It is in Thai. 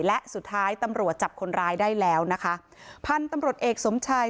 และสุดท้ายตำรวจจับคนร้ายได้แล้วนะคะพันธุ์ตำรวจเอกสมชัย